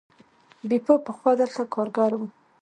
بیپو پخوا دلته کارګر و.